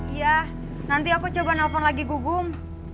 iya nanti aku coba nelfon lagi gugum